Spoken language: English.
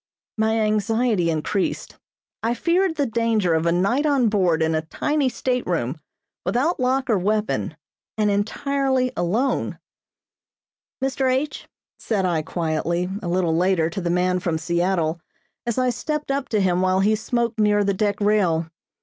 My anxiety increased. I feared the danger of a night on board in a tiny stateroom, without lock or weapon, and entirely alone. "Mr. H ," said I quietly, a little later, to the man from Seattle, as I stepped up to him while he smoked near the deck rail.